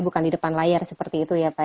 bukan di depan layar seperti itu ya pak